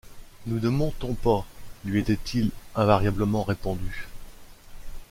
Nous ne montons pas, lui était-il invariablement répondu.